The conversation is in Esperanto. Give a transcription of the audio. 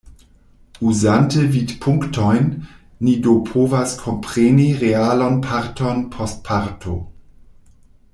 Uzante vidpunktojn, ni do povas kompreni realon parton post parto.